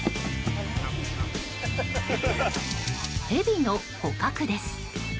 ヘビの捕獲です。